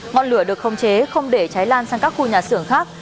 ngọn lửa được không chế không để cháy lan sang các khu nhà xưởng khác